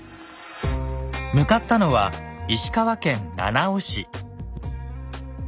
向かったのは石川県七尾市。